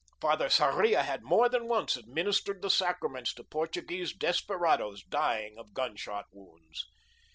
Father Sarria had more than once administered the sacraments to Portuguese desperadoes dying of gunshot wounds.